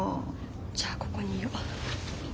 じゃあここにいよ。